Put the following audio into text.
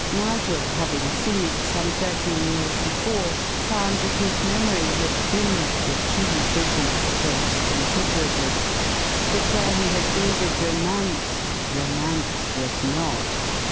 Nigel, having seen it some thirteen years before, found that his memory had dimmed the true vision of the place considerably; that where he had builded romance, romance was not.